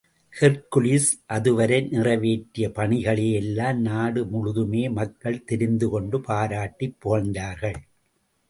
Hercules அதுவரை நிறைவேற்றிய பணிகளையெல்லாம் நாடு முழுதுமே மக்கள் தெரிந்துகொண்டு பாராட்டிப் புகழ்ந்தார்கள்.